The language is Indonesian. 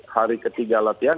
hari ketiga latihan